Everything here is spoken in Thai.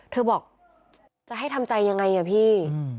เธอบอกจะให้ทำใจยังไงอ่ะพี่